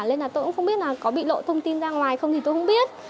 nên là tôi cũng không biết là có bị lộ thông tin ra ngoài không thì tôi không biết